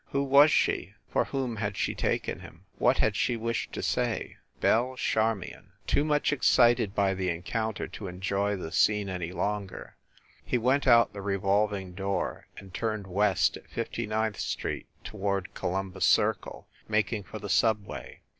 Who was she? For whom had she taken him ? What had she wished to say ? Belle Charmion ! Too much excited by the encounter to enjoy the scene any longer, he went out the revolving door, and turned west at Fifty ninth Street toward Col umbus Circle, making for the subway.